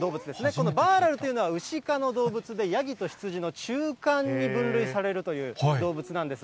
このバーラルというのはウシ科の動物でヤギとヒツジの中間に分類されるという動物なんです。